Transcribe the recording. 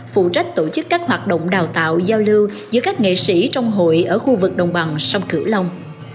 phụ trách tổ chức các hoạt động đào tạo giao lưu giữa các nghệ sĩ trong hội ở khu vực đồng bằng sông cửu long